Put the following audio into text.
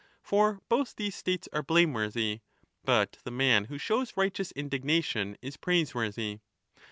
^ For both these states are blameworthy, but the man who shows righteous indignation is praiseworthy.